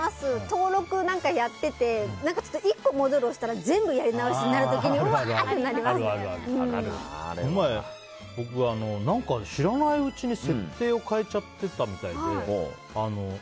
登録をやっていて１個戻したら全部やり直しになる時にこの前、僕何か知らないうちに設定を変えちゃっていたみたいで。